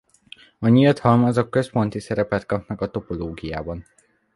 A nyílt halmazok központi szerepet kapnak a topológiában.